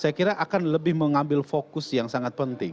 saya kira akan lebih mengambil fokus yang sangat penting